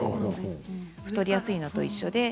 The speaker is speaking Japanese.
太りやすいなと一緒で。